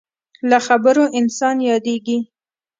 له خبرو انسان یادېږي.